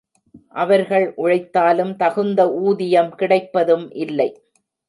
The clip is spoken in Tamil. அவர்கள் உழைத்தாலும் தகுந்த ஊதியம் கிடைப்பதும் இல்லை.